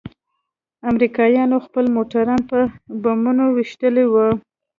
امريکايانوخپل موټران په بمونو ويشتلي وو.